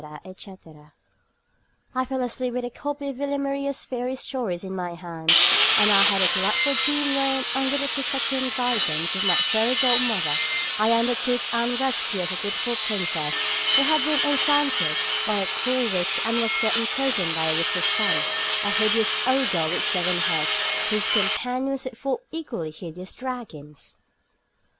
etc. I fell asleep with a copy of Villamaria's fairy stories in my hands, and I had a delightful dream wherein, under the protection and guidance of my fairy godmother, I undertook the rescue of a beautiful princess who had been enchanted by a cruel witch and was kept in prison by the witch's son, a hideous ogre with seven heads, whose companions were four equally hideous dragons.